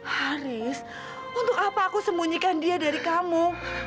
haris untuk apa aku sembunyikan dia dari kamu